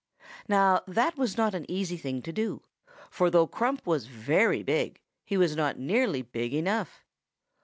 "Now that was not an easy thing to do; for though Crump was very big, he was not nearly big enough.